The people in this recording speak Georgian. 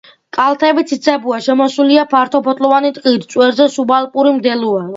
კალთები ციცაბოა, შემოსილია ფართოფოთლოვანი ტყით, წვერზე სუბალპური მდელოა.